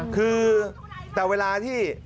คือแต่เวลาที่